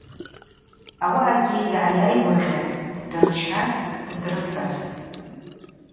Ауаъагьи йгӏайайгвыргъьатӏ, ддырчатӏ, ддрысастӏ.